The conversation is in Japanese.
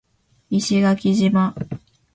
石垣島